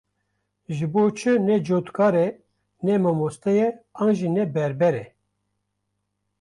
Ji bo çi ne cotkar e, ne mamoste ye, an jî ne berber e?